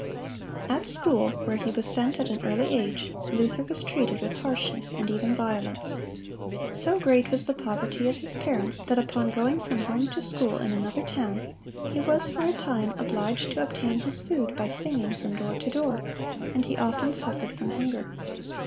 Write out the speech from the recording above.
At school, where he was sent at an early age, Luther was treated with harshness and even violence. So great was the poverty of his parents, that upon going from home to school in another town he was for a time obliged to obtain his food by singing from door to door, and he often suffered from hunger.